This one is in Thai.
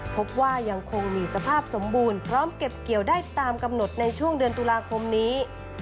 พบว่ายังคงมีสภาพสมบูรณ์พร้อมเก็บเกี่ยวได้ตามกำหนดในช่วงเดือนตุลาคมนี้